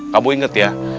kamu inget ya